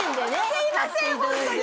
すいませんホントに。